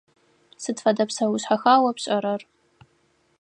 Сыд фэдэ псэушъхьэха о пшӏэрэр?